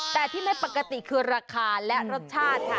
แต่ที่ไม่ปกติคือราคาและรสชาติค่ะ